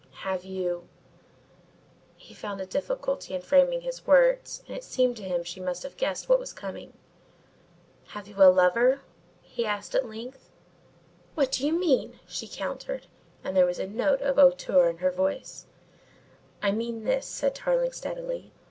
"Have you " he found a difficulty in framing his words and it seemed to him that she must have guessed what was coming. "Have you a lover?" he asked at length. "What do you mean?" she countered, and there was a note of hauteur in her voice. "I mean this," said Tarling steadily.